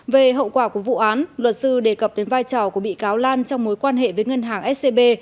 về hậu quả của vụ án luật sư đề cập đến vai trò của bị cáo lan trong mối quan hệ với ngân hàng scb